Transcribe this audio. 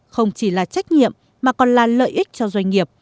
không chỉ là trách nhiệm mà còn là lợi ích cho doanh nghiệp